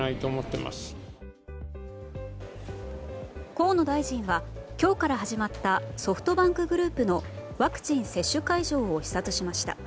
河野大臣は今日から始まったソフトバンクグループのワクチン接種会場を視察しました。